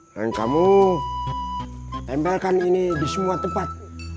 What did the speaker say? kamu tempelkan ini di semua tempat